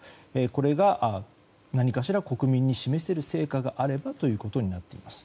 これが、何かしら国民に示せる成果があればということになっています。